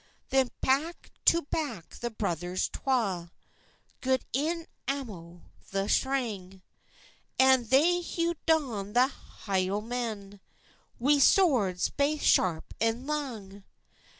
Then back to back the brithers twa Gaed in amo the thrang, An they hewed doun the Hielanmen, Wi swords baith sharp an lang.